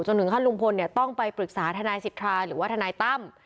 ถึงขั้นลุงพลต้องไปปรึกษาทนายสิทธาหรือว่าทนายตั้ม